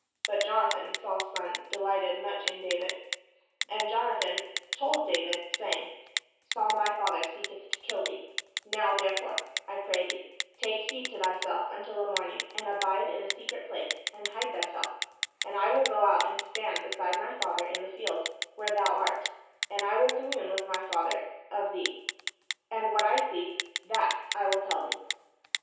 But Jonathan, Saul's son, delighted much in David: and Jonathan told SS3 PALESTINE David, saying, "Saul my father seeketh to kill thee: now therefore, I pray thee, take heed to thyself until the morning, and abide in a secret place, and hide thyself: and I will go out and stand beside my father in the field where thou art, and I will commune with my father of thee; and what I see, that I will tell thee."